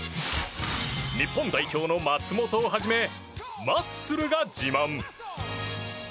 日本代表の松元をはじめマッスルが自慢。